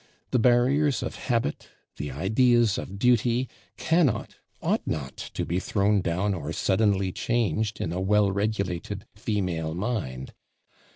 The barriers of habit, the ideas of duty, cannot, ought not, to be thrown down or suddenly changed in a well regulated female mind.